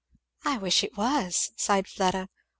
"I wish it was!" sighed Fleda.